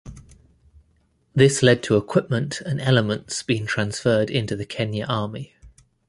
This led to equipment and elements being transferred into the Kenya Army.